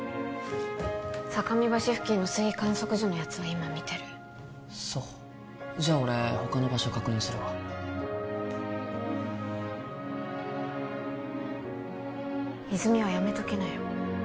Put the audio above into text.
坂見橋付近の水位観測所のやつは今見てるそうじゃ俺他の場所確認するわ泉はやめときなよ